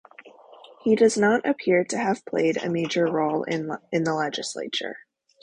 He does not appear to have played a major role in the legislature.